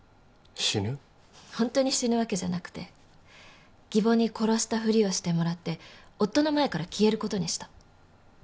ホントに死ぬわけじゃなくて義母に殺したふりをしてもらって夫の前から消えることにした。